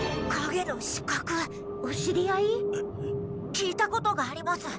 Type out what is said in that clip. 聞いたことがあります。